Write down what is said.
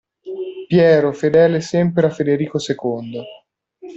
Piero fedele sempre a Federico II.